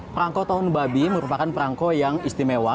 perangko tahun babi merupakan perangko yang istimewa